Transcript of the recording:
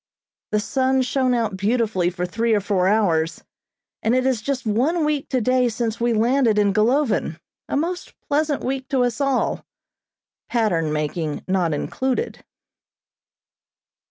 The sun shone out beautifully for three or four hours, and it is just one week today since we landed in Golovin, a most pleasant week to us all (pattern making not included).